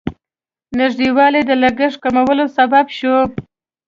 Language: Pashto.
نږدېوالی د لګښت کمولو سبب شو.